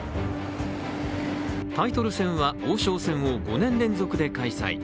タイトル戦は王将戦を５年連続で開催。